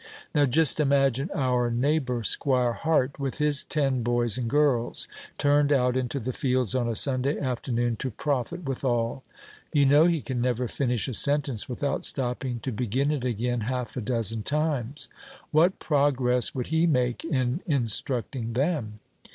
Now, just imagine our neighbor, 'Squire Hart, with his ten boys and girls, turned out into the fields on a Sunday afternoon to profit withal: you know he can never finish a sentence without stopping to begin it again half a dozen times. What progress would he make in instructing them?